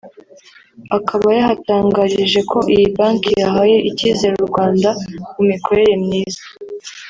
akaba yahatangarije ko iyi Bank yahaye icyizere u Rwanda mu mikorere myiza